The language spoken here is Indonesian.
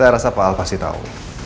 saya rasa pak al pasti tahu